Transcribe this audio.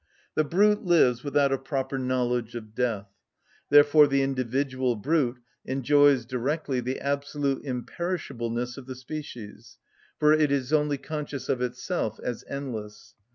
The brute lives without a proper knowledge of death; therefore the individual brute enjoys directly the absolute imperishableness of the species, for it is only conscious of itself as endless.